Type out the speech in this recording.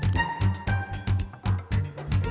itu kamu maka di sini surya